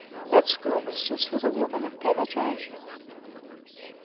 That schoolmistress was a woman of penetration.